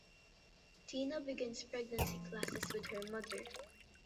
Tina begins pregnancy classes with her mother.